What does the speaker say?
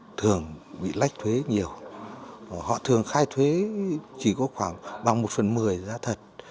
họ thường bị lách thuế nhiều họ thường khai thuế chỉ có khoảng bằng một phần mười giá thật